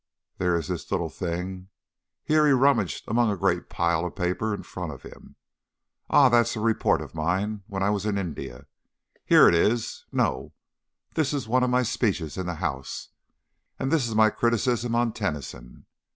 There is this little thing " (Here he rummaged among a great pile of papers in front of him). "Ah! that's a report of mine, when I was in India! Here it is. No, this is one of my speeches in the House, and this is my criticism on Tennyson.